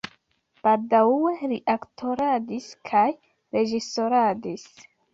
Baldaŭe li aktoradis kaj reĝisoradis.